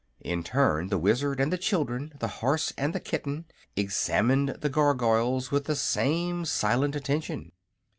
In turn the Wizard and the children, the horse and the kitten, examined the Gargoyles with the same silent attention.